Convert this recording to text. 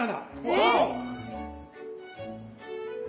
どうぞ！